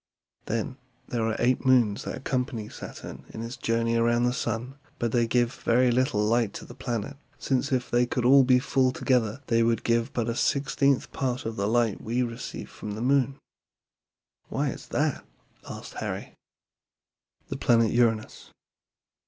Then, there are eight moons that accompany Saturn in its journey around the sun; but they give very little light to the planet, since if they could all be full together they would give but a sixteenth part of the light we receive from the moon." "Why is that?" asked Harry. THE PLANET URANUS.